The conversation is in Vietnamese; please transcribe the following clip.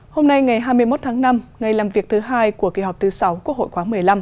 hôm nay ngày hai mươi một tháng năm ngày làm việc thứ hai của kỳ họp thứ sáu quốc hội khóa một mươi năm